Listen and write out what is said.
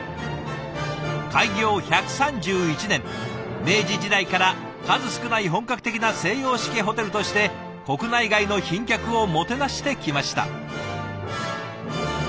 開業１３１年明治時代から数少ない本格的な西洋式ホテルとして国内外の賓客をもてなしてきました。